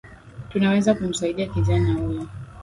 Tunaweza kumsaidia kijana huyo